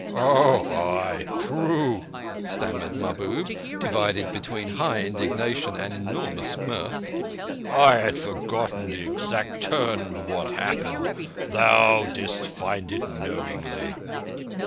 "Oh, ay. True," stammered Mahbub, divided between high indignation and enormous mirth. "I had forgotten the exact run of what happened. Thou didst find it knowingly."